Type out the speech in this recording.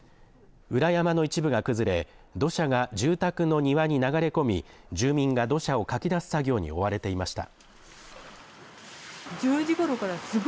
裏山の一部が崩れ土砂が住宅の庭に流れ込み住民が土砂をかき出す作業に追われていました。